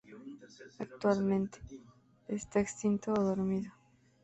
Actualmente, está extinto o dormido.